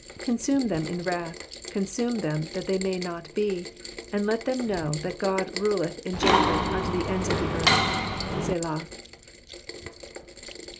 13 Consume them in wrath, consume them^ that they may not be : and let them know that God ruleth in Jacob unto the ends of the earth. Selah.